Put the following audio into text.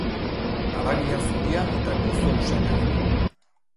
Haragia zuria eta gozo usainarekin.